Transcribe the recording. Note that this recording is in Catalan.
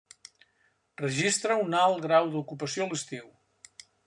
Registra un alt grau d'ocupació a l'estiu.